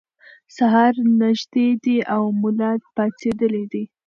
سهار نږدې دی او ملا پاڅېدلی دی.